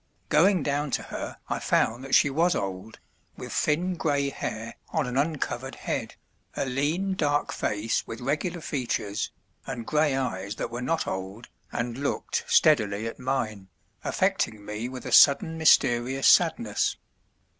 Going down to her I found that she was old, with thin grey hair on an uncovered head, a lean dark face with regular features and grey eyes that were not old and looked steadily at mine, affecting me with a sudden mysterious sadness.